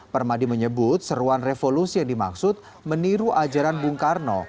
permadi menyebut seruan revolusi yang dimaksud meniru ajaran bung karno